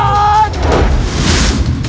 hidup gedung gini